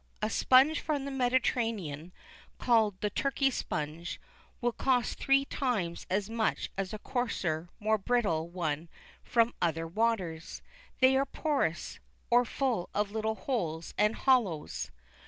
A sponge from the Mediterranean, called the "Turkey sponge," will cost three times as much as a coarser, more brittle one from other waters. They are porous, or full of little holes and hollows.